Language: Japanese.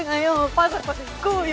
パザパで行こうよ！